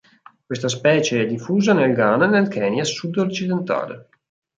Questa specie è diffusa nel Ghana e nel Kenya sud-occidentale.